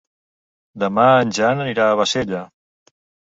Demà en Jan anirà a Bassella.